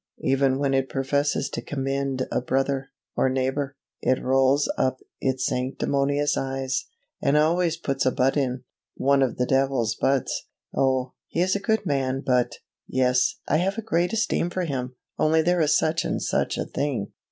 Even when it professes to commend a brother, or neighbor, it rolls up its sanctimonious eyes, and always puts a "but" in one of the devil's "buts." "Oh, he is a good man, but ." "Yes, I have a great esteem for him, only there is such and such a thing."